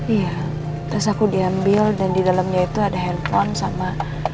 iya terus aku diambil dan di dalamnya itu ada handphone sama